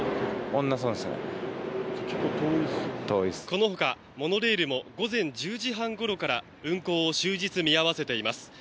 このほか、モノレールも午前１０時半ごろから運行を終日見合わせています。